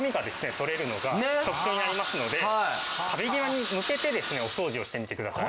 取れるのが特長になりますので壁際に向けてですねお掃除をしてみてください。